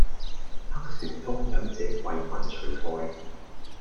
黑旋風忍者為民除害